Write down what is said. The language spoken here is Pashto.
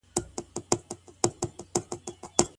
د سرطان درملنه چيري شونې ده؟